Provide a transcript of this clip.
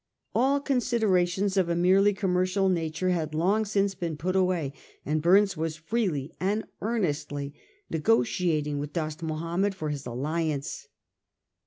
All considerations of a merely commer cial nature had long since been put away, and Bumes was freely and earnestly negotiating with Dost Mahomed for his alliance.